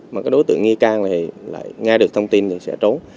mà cái đối tượng nghi can thì nghe được thông tin thì sẽ trốn